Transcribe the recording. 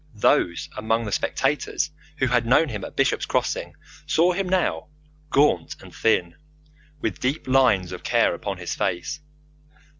Those among the spectators who had known him at Bishop's Crossing saw him now, gaunt and thin, with deep lines of care upon his face.